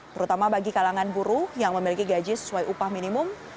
terutama bagi kalangan buruh yang memiliki gaji sesuai upah minimum